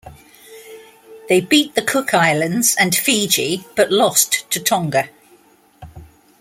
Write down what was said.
They beat the Cook Islands and Fiji, but lost to Tonga.